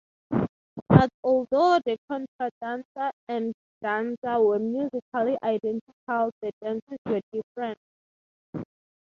But although the "contradanza" and "danza" were musically identical, the dances were different.